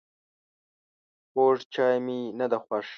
خوږ چای مي نده خوښ